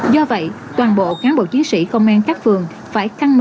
do vậy toàn bộ cán bộ chiến sĩ công an khắp phường phải khắp phòng tỏa